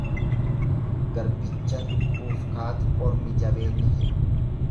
Garbicha lubbuuf kaatu ormi jabeenya hima.